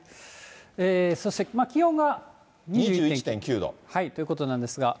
そして気温が２１．９度ということなんですが。